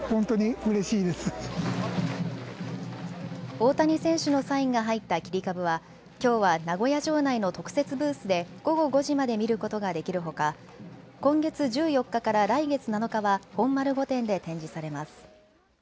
大谷選手のサインが入った切り株はきょうは名古屋城内の特設ブースで午後５時まで見ることができるほか今月１４日から来月７日は本丸御殿で展示されます。